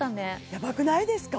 ヤバくないですか？